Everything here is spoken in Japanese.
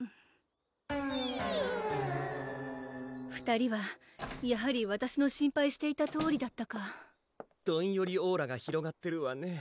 きゅう２人はやはりわたしの心配していたとおりだったかどんよりオーラが広がってるわね